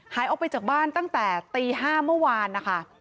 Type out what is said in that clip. หายออกไปจากบ้านตั้งแต่ตี๕เมื่อวานนะคะ